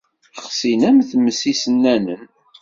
Xsin am tmes n yisennanen.